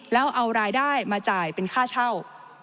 แล้วเอารายได้มาจ่ายเป็นค่าเช่า